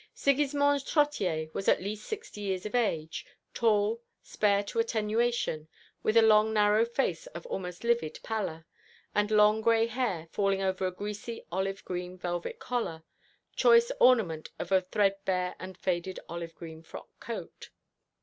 Sigismond Trottier was at least sixty years of age, tall, spare to attenuation, with a long narrow face of almost livid pallor, and long gray hair, falling over a greasy olive green velvet collar, choice ornament of a threadbare and faded olive green frock coat.